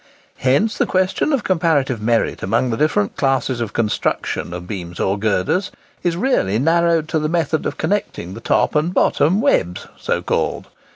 Hence, the question of comparative merit amongst the different classes of construction of beams or girders is really narrowed to the method of connecting the top and bottom webs, so called."